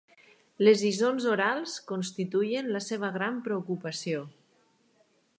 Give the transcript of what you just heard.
Les lliçons orals, constituïen la seva gran preocupació.